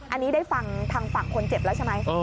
อันนี้ได้ฟังทางฝั่งคนเจ็บแล้วใช่ไหม